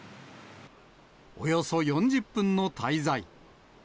およそ４０分の滞在。